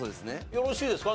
よろしいですか？